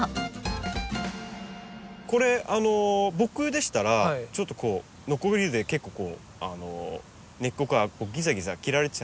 これ僕でしたらちょっとこうノコギリで結構根っこがギザギザ切られちゃうじゃないですか。